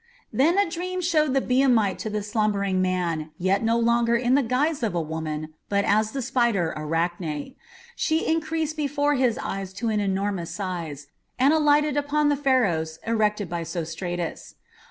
Then a dream showed the Biamite to the slumbering man, yet no longer in the guise of a woman, but as the spider Arachne. She increased before his eyes to an enormous size and alighted upon the pharos erected by Sostratus.